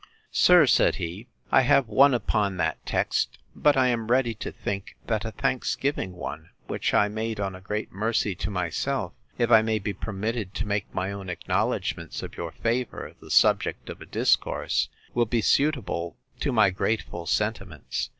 Sir, said he, I have one upon that text; but I am ready to think, that a thanksgiving one, which I made on a great mercy to myself, if I may be permitted to make my own acknowledgments of your favour the subject of a discourse, will be suitable to my grateful sentiments.